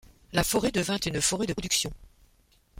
La forêt devint une forêt de production.